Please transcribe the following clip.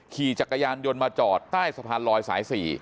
ขี่จักรยานยนต์มาจอดใต้สะพานลอยสาย๔